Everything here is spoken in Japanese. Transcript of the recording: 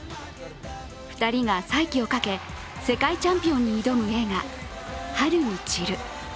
２人が再起をかけ世界チャンピオンに挑む映画「春に散る」。